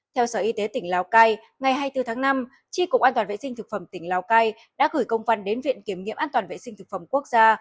theo sở y tế tỉnh lào cai ngày hai mươi bốn tháng năm tri cục an toàn vệ sinh thực phẩm tỉnh lào cai đã gửi công văn đến viện kiểm nghiệm an toàn vệ sinh thực phẩm quốc gia